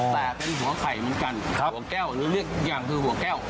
แต่เป็นหัวไข่เหมือนกันหัวแก้วหรือเรียกอย่างคือหัวแก้ว